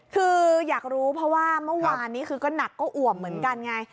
คืออยากรู้เพราะว่าเมื่อวานนี้คือก็หนักก็อ่วมเหมือนกันไง